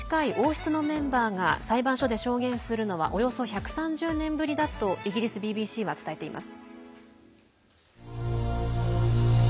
国王に近い王室のメンバーが裁判所で証言するのはおよそ１３０年ぶりだとイギリスＢＢＣは伝えています。